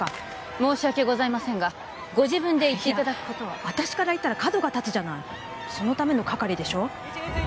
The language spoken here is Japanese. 申し訳ございませんがご自分で言っていただくことは私から言ったら角が立つじゃないそのための係でしょう？